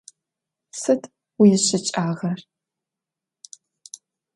Сыд уищыкӀагъэр?